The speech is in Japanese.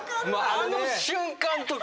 あの瞬間とか。